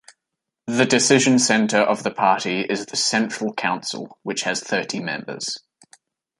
The decision center of the party is the Central Council, which has thirty members.